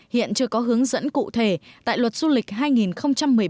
hiện chưa có hướng dẫn cụ thể tại luật du lịch hai nghìn một mươi bảy